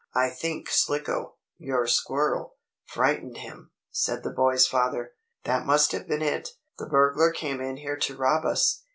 "I think Slicko, your squirrel, frightened him," said the boy's father. "That must have been it. The burglar came in here to rob us.